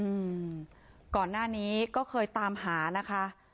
อืมก่อนหน้านี้ก็เคยตามหานะคะ